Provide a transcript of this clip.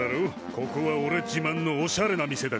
ここはおれ自慢のおしゃれな店だからよ。